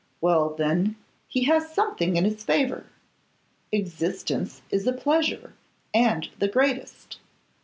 Well, then, he has something in his favour. Existence is a pleasure, and the greatest.